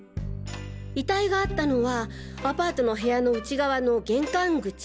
遺体があったのはアパートの部屋の内側の玄関口。